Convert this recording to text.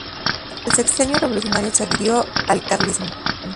Durante el Sexenio Revolucionario se adhirió al carlismo.